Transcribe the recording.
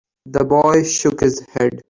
The boy shook his head.